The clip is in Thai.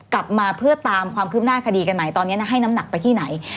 กลับมาเพื่อตามความคืบหน้าคดีกันใหม่ตอนนี้ให้น้ำหนักไปที่ไหน